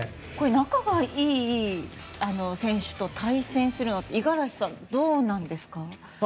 仲がいい選手と対戦するのって五十嵐さん、どうなんですか？